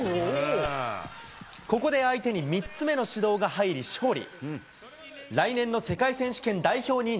ここで相手に３つ目の指導が入り勝利。